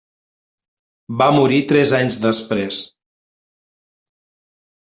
Va morir tres anys després.